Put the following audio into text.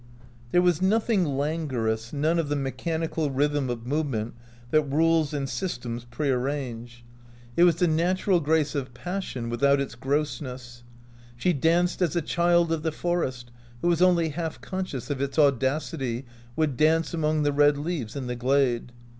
There was nothing languorous, none of the mechanical rhythm of movement that rules and systems prearrange. It was the OUT OF BOHEMIA natural grace of passion without its gross ness. She danced as a child of the forest, who was only half conscious of its audacity, would dance among the red leaves in the glade.